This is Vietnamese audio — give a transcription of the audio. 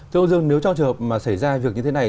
thưa ông dương nếu trong trường hợp mà xảy ra việc như thế này